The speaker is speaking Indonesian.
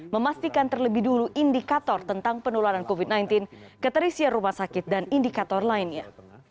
memastikan terlebih dulu indikator tentang penularan covid sembilan belas keterisian rumah sakit dan indikator lainnya